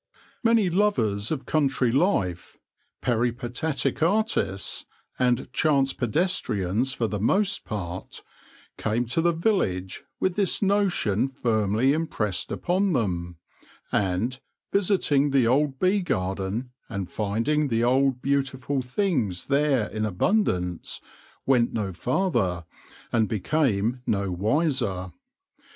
Many lovers of country life, peripatetic artists and chance pedestrians for the most part, came to the village with this notion firmly impressed upon them, and, visiting the old bee garden and finding the old beautiful things there in abundance, went no farther, and became no wiser.